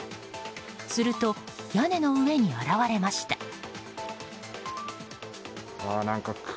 すると屋根の上に現われました。